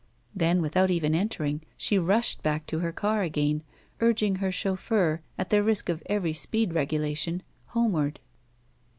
Then, without even entering, she rushed back to her car again, urging her chauffeur, at the risk of every speed regulation, homeward.